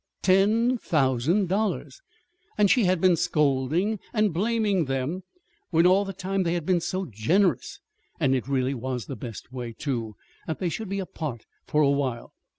Ten thousand dollars! And she had been scolding and blaming them, when all the time they had been so generous! And it really was the best way, too, that they should be apart for a while.